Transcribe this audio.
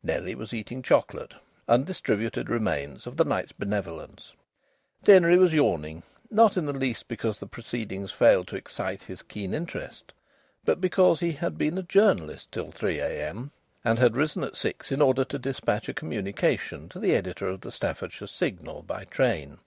Nellie was eating chocolate, undistributed remains of the night's benevolence. Denry was yawning, not in the least because the proceedings failed to excite his keen interest, but because he had been a journalist till three a.m. and had risen at six in order to despatch a communication to the editor of the Staffordshire Signal by train.